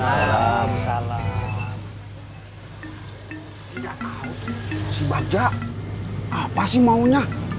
tidak tahu sih si bagja apa sih maunya